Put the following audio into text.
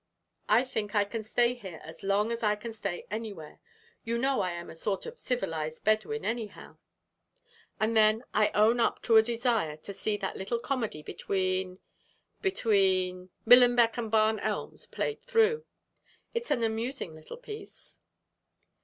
I think I can stay here as long as I can stay anywhere; you know I am a sort of civilized Bedouin anyhow. And then I own up to a desire to see that little comedy between between Millenbeck and Barn Elms played through. It's an amusing little piece."